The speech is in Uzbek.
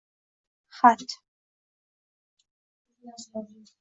Xat…